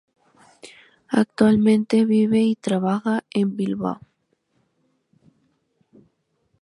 Actualmente vive y trabaja en Bilbao.